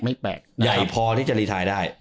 ใหญ่พอที่จะรีไทยได้